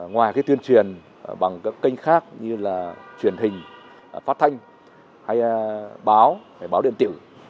ngoài tuyên truyền bằng các kênh khác như truyền hình phát thanh báo báo điện tiệu